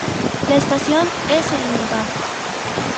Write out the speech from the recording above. La estación es elevada.